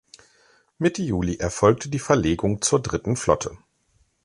Mitte Juli erfolgte die Verlegung zur dritten Flotte.